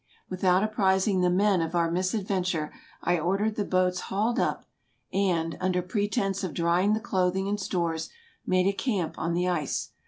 Without apprising the men of our misadventure, I or dered the boats hauled up, and, under pretence of drying the clothing and stores, made a camp on the ice.